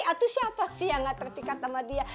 atau siapa sih yang gak terpikat sama dia